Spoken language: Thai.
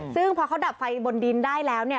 ซึ่งพอเขาดับไฟบนดินได้แล้วเนี่ย